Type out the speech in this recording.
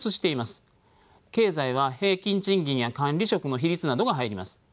経済は平均賃金や管理職の比率などが入ります。